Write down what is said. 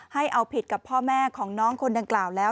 ให้เอาผิดกับพ่อแม่ของน้องคนดังกล่าวแล้ว